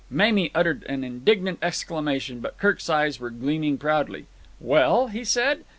Mamie uttered an indignant exclamation, but Kirk's eyes were gleaming proudly. "Well?" he said.